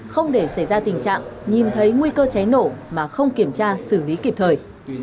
không để xảy ra tình trạng nhìn thấy nguy cơ cháy nổ mà không kiểm tra xử lý kịp thời